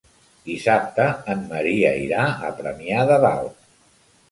Dissabte en Maria irà a Premià de Dalt.